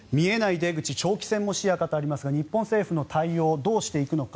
出口長期戦も視野かとありますが日本政府の対応どうしていくのか。